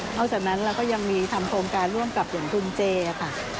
หลังจากนั้นเราก็ยังมีทำโครงการร่วมกับอย่างทุนเจค่ะ